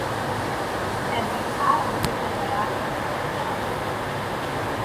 Eddig három kötete látott napvilágot.